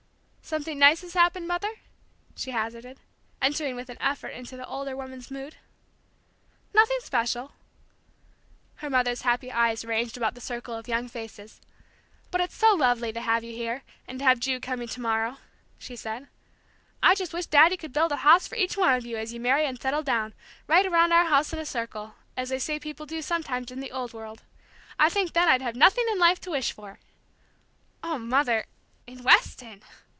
"Something nice has happened, Mother?" she hazarded, entering with an effort into the older woman's mood. "Nothing special." Her mother's happy eyes ranged about the circle of young faces. "But it's so lovely to have you here, and to have Ju coming to morrow," she said. "I just wish Daddy could build a house for each one of you, as you marry and settle down, right around our house in a circle, as they say people do sometimes in the Old World. I think then I'd have nothing in life to wish for!" "Oh, Mother in Weston!"